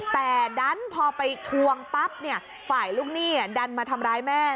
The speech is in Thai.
แต่ดันพอไปทวงปั๊บฝ่ายลูกหนี้ดันมาทำร้ายแม่